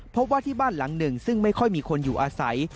พบว่าที่บ้านหลังหนึ่งซึ่งไม่ค่อยมีคนอยู่อาศัย